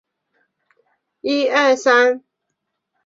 南方双带河溪螈是美国特有的一种蝾螈。